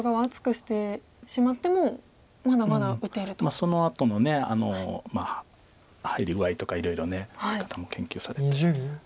そのあとの入り具合とかいろいろ打ち方も研究されて。